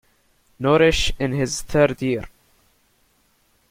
Norrish in his third year.